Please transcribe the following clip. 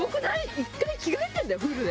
一回着替えてんだよフルで。